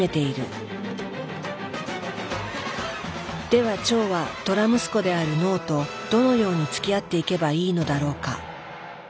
では腸はドラ息子である脳とどのようにつきあっていけばいいのだろうか？